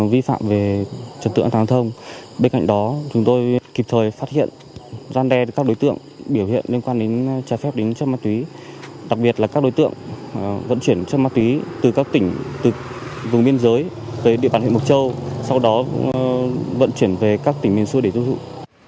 vùng biên giới tới địa bàn huyện hồ châu sau đó vận chuyển về các tỉnh miền xuôi để giúp dụng